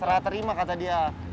serah terima kata dia